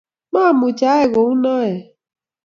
maamuch ayai kou noe